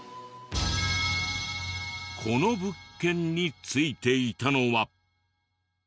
この物件に付いていたのは。